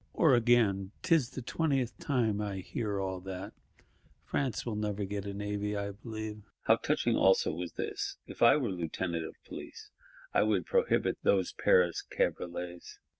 Or again: ''Tis the twentieth time I hear all that; France will never get a Navy, I believe.' How touching also was this: 'If I were Lieutenant of Police, I would prohibit those Paris cabriolets.